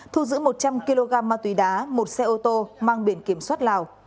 thu giữ một trăm linh kg ma túy đá một xe ô tô mang biển kiểm soát lào